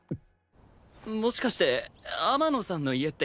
もしかして天野さんの家ってヤク。